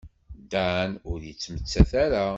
Dan ur yettmettat ara.